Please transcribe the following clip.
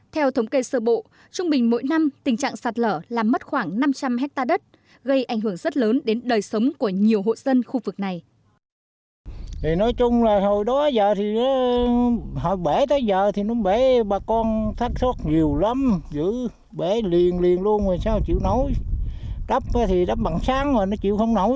theo thống kê sơ bộ trung bình mỗi năm tình trạng sạt lở làm mất khoảng năm trăm linh hectare đất gây ảnh hưởng rất lớn đến đời sống của nhiều hộ dân khu vực này